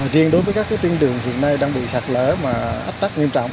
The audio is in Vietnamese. riêng đối với các tuyến đường hiện nay đang bị sạt lở mà ách tắc nghiêm trọng